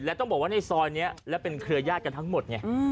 แล้วต้องบอกว่าในซอยนี้แล้วเป็นเครือญาติกันทั้งหมดไง